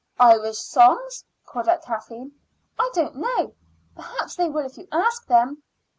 "Irish songs?" called out Kathleen. "I don't know. Perhaps they will if you ask them."